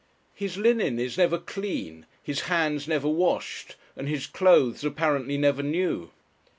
His linen is never clean, his hands never washed, and his clothes apparently never new.